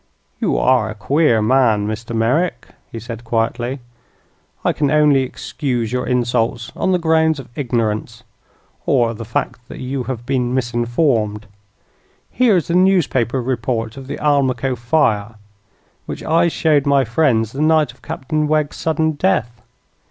"You are a queer man, Mr. Merrick," he said, quietly. "I can only excuse your insults on the grounds of ignorance, or the fact that you have been misinformed. Here is the newspaper report of the Almaquo fire, which I showed my friends the night of Captain Wegg's sudden death."